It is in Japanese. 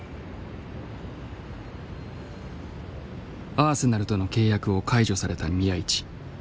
アーセナルとの契約を解除された宮市。